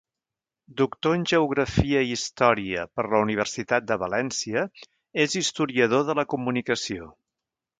Doctor en Geografia i Història per la Universitat de València, és historiador de la comunicació.